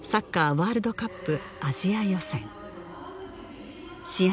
ワールドカップアジア予選試合